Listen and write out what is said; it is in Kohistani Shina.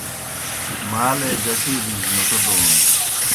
مالے گٹِیلِجیْ نوْٹہ دون